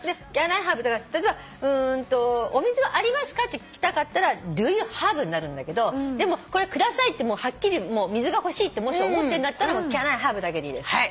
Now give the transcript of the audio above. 例えば「お水はありますか？」って聞きたかったら「Ｄｏｙｏｕｈａｖｅ」になるんだけどでもこれくださいってもうはっきり水が欲しいってもし思ってんだったら「ＣａｎＩｈａｖｅ」だけでいいです。